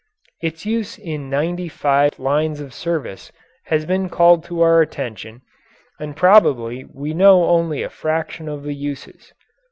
Its use in ninety five distinct lines of service has been called to our attention, and probably we know only a fraction of the uses.